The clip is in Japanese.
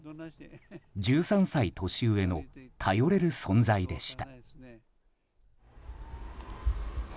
１３歳年上の頼れる存在でした。